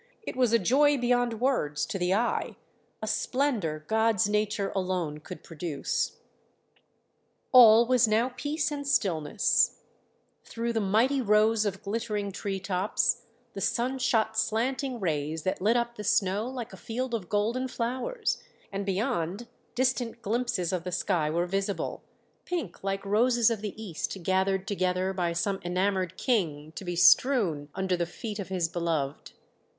It was a joy beyond words to the eye, a splendour God's nature alone could produce. All was now peace and stillness; through the mighty rows of glittering tree tops the sun shot slanting rays that lit up the snow like a field of golden flowers; and beyond, distant glimpses of the sky were visible, pink like roses of the East gathered together by some enamoured king to be strewn under the feet of his beloved.